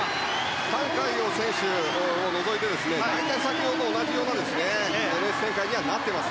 タン・カイヨウ選手を除いて大体先ほどと同じようなレース展開になっています。